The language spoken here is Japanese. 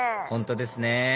本当ですね